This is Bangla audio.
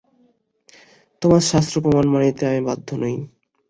তোমার শাস্ত্র-প্রমাণ মানিতে আমি বাধ্য নই।